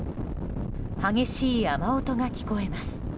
激しい雨音が聞こえます。